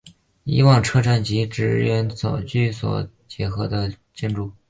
以往为车站及职员居所的结合建筑。